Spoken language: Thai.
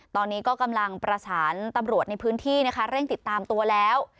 ตอนนี้ก็กำลังประสานตำรวจในพื้นที่นะคะเร่งติดตามตัวแล้ว